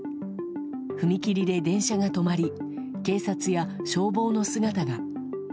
踏切で電車が止まり警察や消防の姿が。